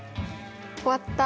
終わった。